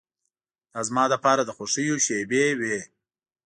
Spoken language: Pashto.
دا زما لپاره د خوښیو شېبې وې.